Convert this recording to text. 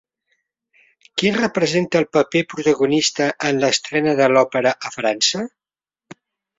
Qui representà el paper protagonista en l'estrena de l'òpera a França?